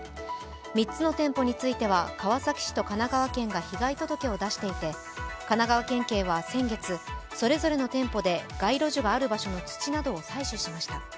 ３つの店舗については川崎市と神奈川県が被害届を出していて神奈川県警は先月、それぞれの店舗で街路樹がある場所の土などを採取しました。